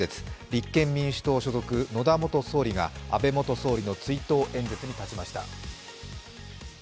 立憲民主党所属、野田元総理が安倍元総理の追悼演説に立ちました。